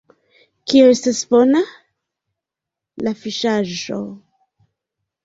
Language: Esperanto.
Kio estas bona? la fiŝaĵo!